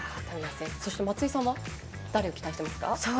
そして松井さんは誰に期待してますか？